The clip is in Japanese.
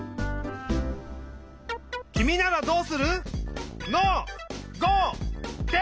きみならどうする？